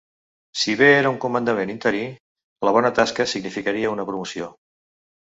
Si bé era un comandament interí, la bona tasca significaria una promoció.